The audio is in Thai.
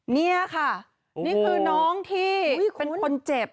นี่ค่ะนี่คือน้องที่เป็นคนเจ็บ